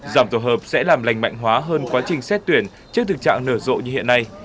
giảm tổ hợp sẽ làm lành mạnh hóa hơn quá trình xét tuyển trước thực trạng nở rộ như hiện nay